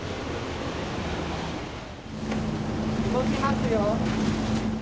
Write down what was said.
動きますよ。